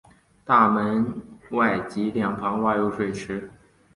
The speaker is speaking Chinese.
大门外及两旁挖有水池。